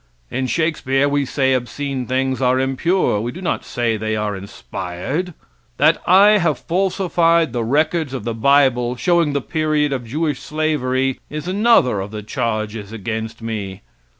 In Shakespeare we say obscene things are impure we do not say they are inspired. That I have falsified the records of the bible showing the period of Jewish slavery, is another of the charges against me.